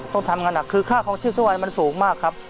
ต้องทำงานหนักคือค่าคลองชีพทุกวันมันสูงมากครับ